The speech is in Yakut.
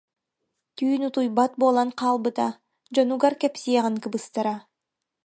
Түүн утуйбат буолан хаалбыта, дьонугар кэпсиэҕин кыбыстара